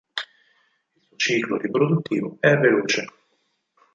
Il suo ciclo riproduttivo è veloce.